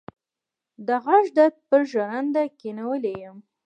د غاښ درد پر ژرنده کېنولی يم.